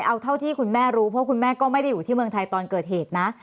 เอาเท่าที่คุณแม่รู้เพราะคุณแม่ก็ไม่ได้อยู่ที่เมืองไทยตอนเกิดเหตุนะ